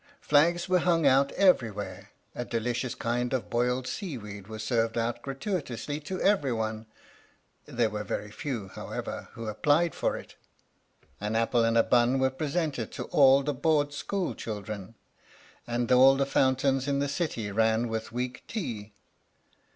Flags were hung out everywhere a delicious kind of boiled seaweed was served out gratuitously to everyone (there were very few, however) who applied for it, an apple and a bun were presented to all the Board School children, and all the fountains in the city ran with weak tea.